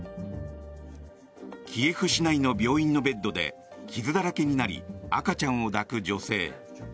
キエフ市内の病院のベッドで傷だらけになり赤ちゃんを抱く女性。